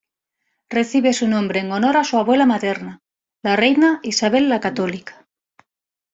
Recibe su nombre en honor a su abuela materna la reina Isabel la Católica.